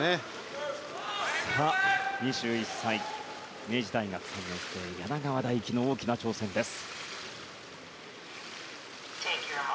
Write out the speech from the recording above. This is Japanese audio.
２１歳、明治大学３年生柳川大樹の大きな挑戦です。